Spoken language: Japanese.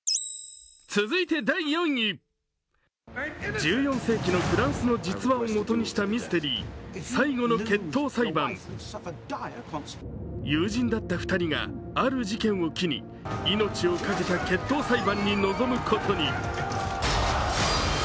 １４世紀のフランスの実話を元にしたミステリー「最後の決闘裁判」友人だった２人が、ある事件を機に命をかけた決闘裁判に臨むことに。